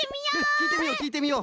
きいてみようきいてみよう！